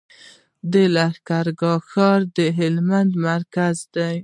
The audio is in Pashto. د لښکرګاه ښار د هلمند مرکز دی